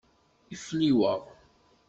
Ifliweɣ.